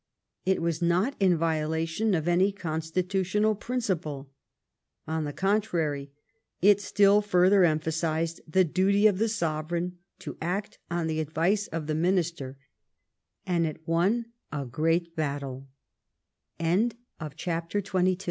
It was not in violation of any constitutional principle. On the contrary, it still further emphasized the duty of the sover eign to act on the advice of the minister; and it won a great